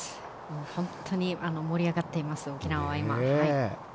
本当に盛り上がっています沖縄は今。